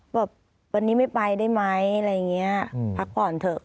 บอกวันนี้ไม่ไปได้ไหมอะไรอย่างนี้พักผ่อนเถอะ